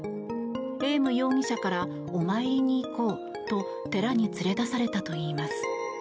エーム容疑者からお参りに行こうと寺に連れ出されたといいます。